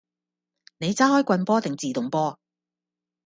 你揸開棍波定自動波？